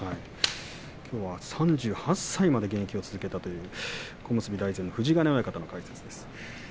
きょうは３８歳まで現役を続けたという小結大善の富士ヶ根親方です。